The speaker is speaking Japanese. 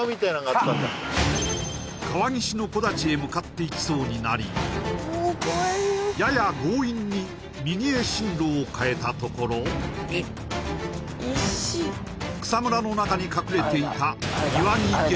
川岸の木立へ向かっていきそうになりやや進路を変えたところ草むらの中に隠れていたもし